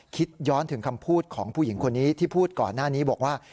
คิดย้อนถึงคำพูดของผู้หญิงคนนี้ที่พูดก่อนหน้านี้บอกว่า